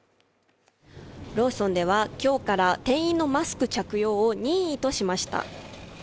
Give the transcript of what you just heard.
ローソンでは今日から店員のマスク着用を任意としました。